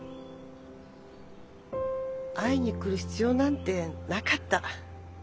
会いに来る必要なんてなかった。